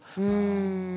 うん。